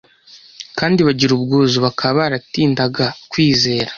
kandi bagira ubwuzu bakaba baratindaga kwizera